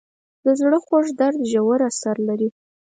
د زړه خوږ درد ژور اثر لري.